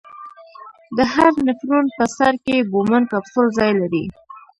د هر نفرون په سر کې بومن کپسول ځای لري.